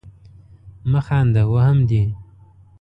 مه خانده ! وهم دي.